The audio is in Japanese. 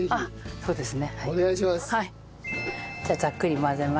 そうですね。